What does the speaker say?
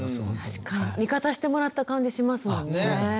確かに。味方してもらった感じしますもんね。